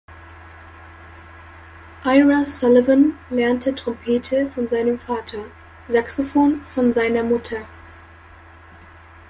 Ira Sullivan lernte Trompete von seinem Vater, Saxophon von seiner Mutter.